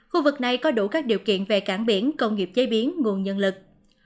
khu vực này có đủ các điều kiện về cảng biển công nghiệp chế biến nguồn nhân lực